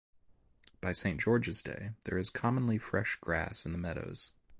By St. George's Day, there is commonly fresh grass in the meadows.